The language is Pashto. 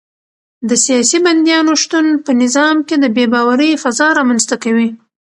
د سیاسي بندیانو شتون په نظام کې د بې باورۍ فضا رامنځته کوي.